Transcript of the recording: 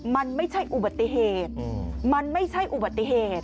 มันไม่ใช่อุบัติเหตุมันไม่ใช่อุบัติเหตุ